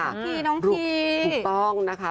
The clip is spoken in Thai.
น้องพีน้องพีถูกต้องนะคะ